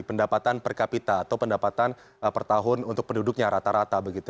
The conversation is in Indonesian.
pendapatan per kapita atau pendapatan per tahun untuk penduduknya rata rata